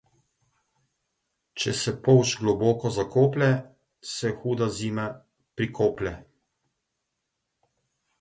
Če se polž globoko zakoplje, se huda zima prikoplje.